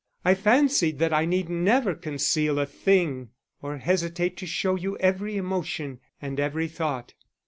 I fancied that I need never conceal a thing, nor hesitate to show you every emotion and every thought.